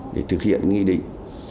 để thực hiện nghị định